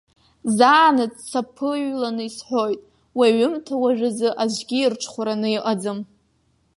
Заанаҵ саԥыҩланы исҳәоит, уи аҩымҭа уажәазы аӡәгьы ирҽхәараны иҟаӡам.